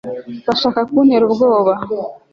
bashaka kuntera ubwoba